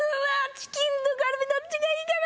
チキンとカルビどっちがいいかなー！